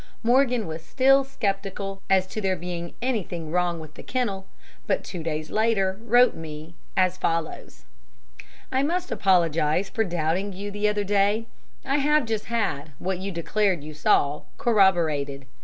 Morgan was still sceptical as to there being anything wrong with the kennel, but two days later wrote to me as follows: "I must apologize for doubting you the other day. I have just had, what you declared you saw, corroborated.